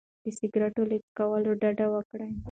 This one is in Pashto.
د سګرټو له څکولو ډډه وکړئ.